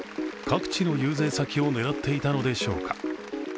各地の遊説先を狙っていたのでしょうか。